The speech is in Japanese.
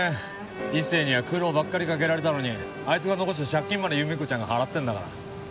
一成には苦労ばっかりかけられたのにあいつが残した借金まで由美子ちゃんが払ってんだから。